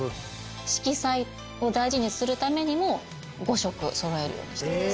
色彩を大事にするためにも５色そろえるようにしています。